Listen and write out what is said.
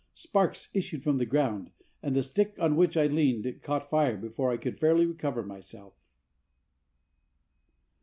Sparks issued from the ground, and the stick on which I leaned caught fire before I could fairly recover myself.